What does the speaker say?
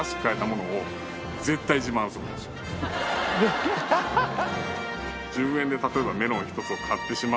アハハハ。